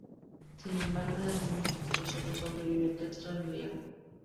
Sin embargo, de algunos textos sólo sobrevive el texto en griego.